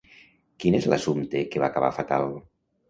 Quin és l'assumpte que va acabar fatal?